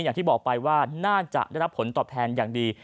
อย่างที่บอกไปว่าน่าจะได้รับผลตอบแทนอย่างดี